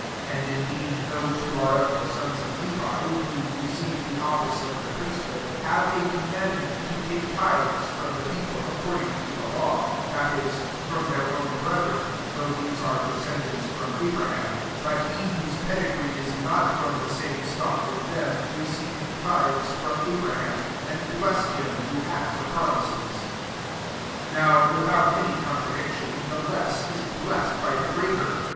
5 And indeed j those who are of the sons of Levi, who receive the office of the priesthood, have a com mandment to take tithes from the people according to the law, that is, from their own brethren, though these are descendants from Abraham : 6 but he whose pedigree is not from the 9ame stock with them, received tithes from Abraham, and blessed him who had the promises. 7 Now, without any contra diction, the less is blessed by the greater.